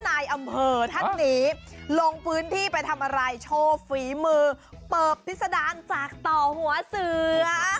นายอำเภอท่านนี้ลงพื้นที่ไปทำอะไรโชว์ฝีมือเปิบพิษดารจากต่อหัวเสือ